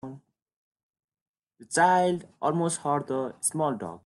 The child almost hurt the small dog.